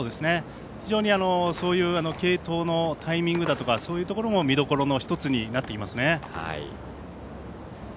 非常に継投のタイミングだとかそういうところも見どころの１つになっていますね。